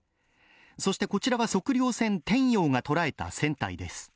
そしてこちらは測量船「天洋」が捉えた船体です。